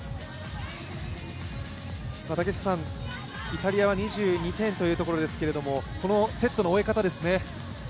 イタリアは２２点というところですけれども、このセットの終え方ですね。